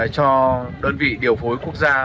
cho đơn vị điều phối quốc gia